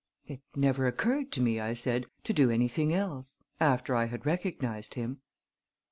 "It never occurred to me," I said, "to do anything else after I had recognized him."